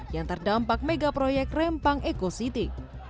yang terdampak megaproyek rempang ekositi